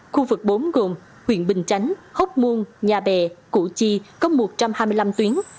khu vực bốn gồm huyện bình chánh hốc muôn nhà bè cụ chi có một trăm hai mươi năm tuyến